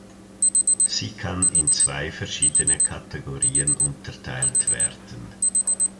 Sie kann in zwei verschiedene Kategorien unterteilt werden.